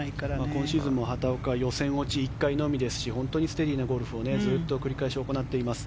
今シーズンも畑岡は予選落ち１回のみですし本当にステディーなゴルフを繰り返し行っています。